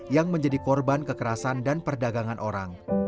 yang menjadi korban kekerasan dan perdagangan orang